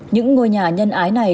những ngôi nhà nhân ái này